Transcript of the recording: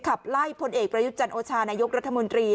ขับไล่พลเอกประยุทธ์จันโอชานายกรัฐมนตรี